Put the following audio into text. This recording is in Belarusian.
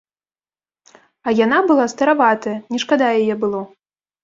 А яна была стараватая, не шкада яе было.